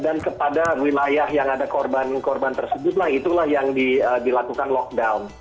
dan kepada wilayah yang ada korban korban tersebut lah itulah yang dilakukan lockdown